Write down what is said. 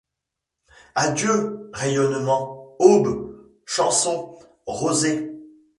Adieu, rayonnements ! aubes ! chansons ! rosées !